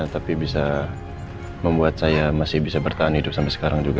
tapi bisa membuat saya masih bisa bertahan hidup sampai sekarang juga